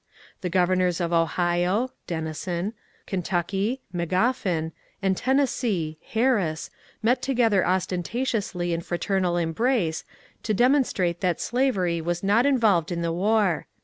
The governors of Ohio (Dennison), Kentucky (Magoffin), " and Tennessee (Harris) met together ostentatiously in frater nal embrace, to demonstrate that slavery was not involved in the war.